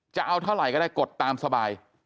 จะเอาเท่าไหร่ก็ได้กดตามสบาย